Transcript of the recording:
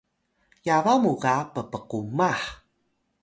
yaba mu ga ppqumah